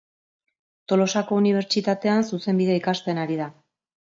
Tolosako Unibertsitatean zuzenbidea ikasten ari da.